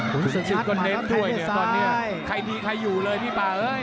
คุณสุชิตก็เน้นด้วยเนี่ยตอนนี้ใครดีใครอยู่เลยพี่ป่าเอ้ย